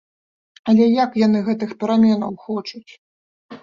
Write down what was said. Але як яны гэтых пераменаў хочуць?